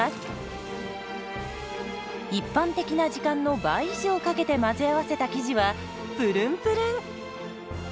一般的な時間の倍以上かけて混ぜ合わせた生地はプルンプルン。